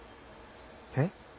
えっ？